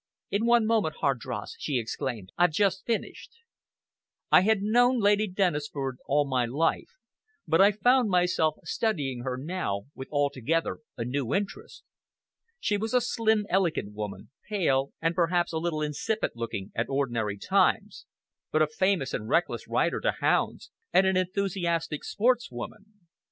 "In one moment, Hardross," she exclaimed. "I've just finished." I had known Lady Dennisford all my life; but I found myself studying her now with altogether a new interest. She was a slim, elegant woman, pale and perhaps a little insipid looking at ordinary times, but a famous and reckless rider to hounds, and an enthusiastic sportswoman.